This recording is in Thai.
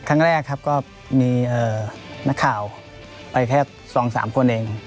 ครั้งแรกครับก็มีนักข่าวไปแค่๒๓คนเอง